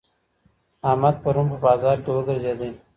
احمد پرون په بازار کي وګرځېدی.